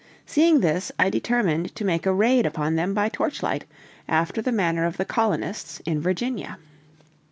Seeing this, I determined to make a raid upon them by torchlight, after the manner of the colonists in Virginia.